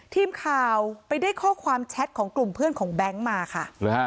ทีมข่าวไปได้ข้อความแชทของกลุ่มเพื่อนของแบงค์มาค่ะ